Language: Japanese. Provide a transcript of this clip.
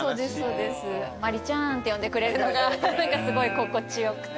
「真里ちゃん」って呼んでくれるのがすごい心地良くて。